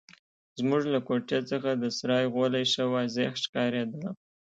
زموږ له کوټې څخه د سرای غولی ښه واضح ښکارېده.